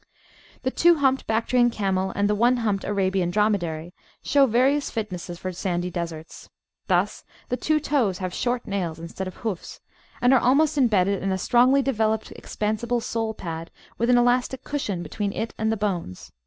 The two humped Bactrian Camel and the one humped Arabian Dromedary show various fitnesses for sandy deserts. Thus the two toes have short nails instead of hoofs, and are almost embedded in a strongly developed expansible sole pad with an elastic cushion between it and the bones.